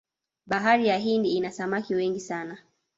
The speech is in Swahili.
bahari ya hindi ina samaki wengi sana